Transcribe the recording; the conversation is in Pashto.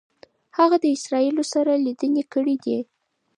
هغه د اسرائیلو سره لیدنې کړي دي.